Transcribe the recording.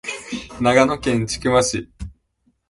長野県千曲市